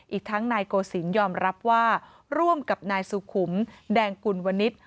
อีกทั้งนายโกศิลป์ยอมรับว่าร่วมกับนายสุขุมแดงกุลวนิษฐ์